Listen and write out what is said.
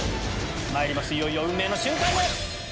いよいよ運命の瞬間です！